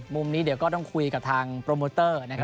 มุมนี้เดี๋ยวก็ต้องคุยกับทางโปรโมเตอร์นะครับ